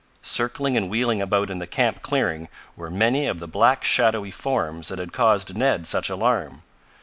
Circling and wheeling about in the camp clearing were many of the black shadowy forms that had caused Ned such alarm.